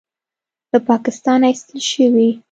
له پاکستانه ایستل شوی